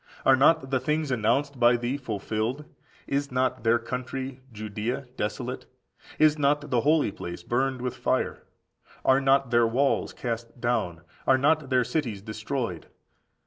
Are not the things announced by thee fulfilled? Is not their country, Judea, desolate? Is not the holy place burned with fire? Are not their walls cast down? Are not their cities destroyed?